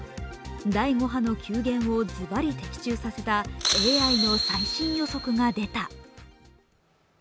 第５波の急減をずばり的中させたＡＩの最新予測が出た。